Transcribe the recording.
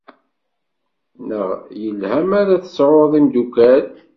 Naɣ yelha mi ara tesɛuḍ imeddukal?